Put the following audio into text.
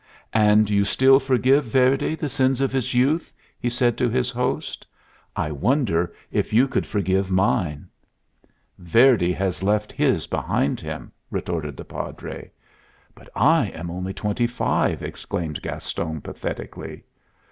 "And you still forgive Verdi the sins of his youth?" he said to his host. "I wonder if you could forgive mine?" "Verdi has left his behind him," retorted the Padre. "But I am only twenty five!" exclaimed Gaston, pathetically.